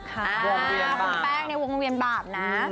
คุณแป้งในวงเวียนบาปนะ